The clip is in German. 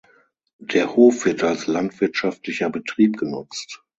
Der Hof wird als landwirtschaftlicher Betrieb genutzt.